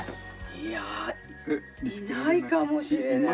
いやいないかもしれない。